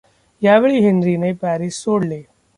यावेळी हेन्रीने पॅरिस सोडले.